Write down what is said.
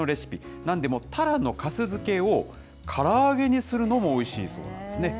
なんでもたらの粕漬けをから揚げにするのもおいしいそうなんですね。